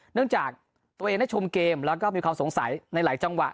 เนื่องจากตัวเองได้ชมเกมแล้วก็มีความสงสัยในหลายจังหวะ